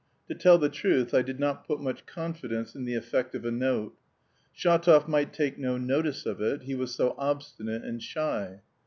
To tell the truth I did not put much confidence in the effect of a note. Shatov might take no notice of it; he was so obstinate and shy.